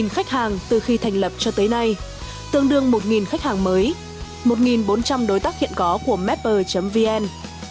một mươi khách hàng từ khi thành lập cho tới nay tương đương một khách hàng mới một bốn trăm linh đối tác hiện có của mapper vn